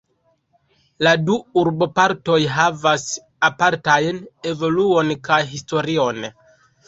La du urbopartoj havas apartajn evoluon kaj historion.